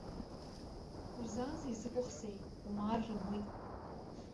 Узаазеи закәыхзеи, умаар рымуит!